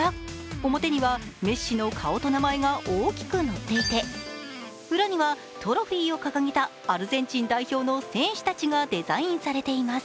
表にはメッシの顔と名前が大きく載っていて裏にはトロフィーを掲げたアルゼンチン代表の選手たちがデザインされています。